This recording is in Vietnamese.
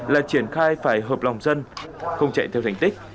là triển khai phải hợp lòng dân không chạy theo thành tích